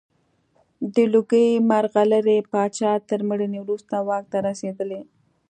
د لوګي مرغلرې پاچا تر مړینې وروسته واک ته رسېدلی.